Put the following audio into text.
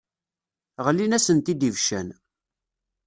Ɣlin-asent-id ibeccan.